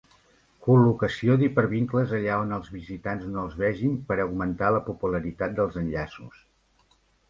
Col·locació d'hipervincles allà on els visitants no els vegin per augmentar la popularitat dels enllaços.